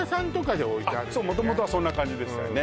そう元々はそんな感じでしたよね